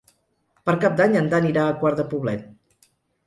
Per Cap d'Any en Dan irà a Quart de Poblet.